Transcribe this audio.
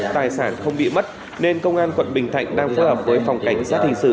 tài sản không bị mất nên công an quận bình thạnh đang phối hợp với phòng cảnh sát hình sự